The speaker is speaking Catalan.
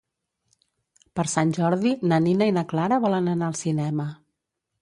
Per Sant Jordi na Nina i na Clara volen anar al cinema.